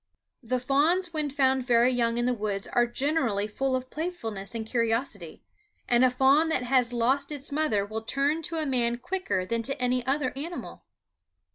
The fawns when found very young in the woods are generally full of playfulness and curiosity; and a fawn that has lost its mother will turn to a man quicker than to any other animal.